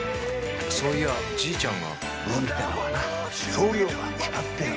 そういやじいちゃんが運ってのはな量が決まってるんだよ。